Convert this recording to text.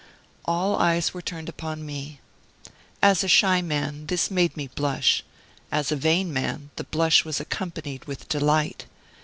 All eyes were turned upon me. As a shy man, this made me blush; as a vain man, the blush was accompanied with delight.